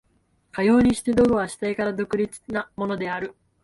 かようにして道具は主体から独立なものである。